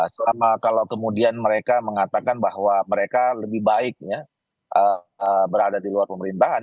selama kalau kemudian mereka mengatakan bahwa mereka lebih baik ya berada di luar pemerintahan